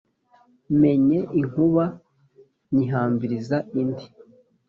Mennye inkuba nyihambiriza indi-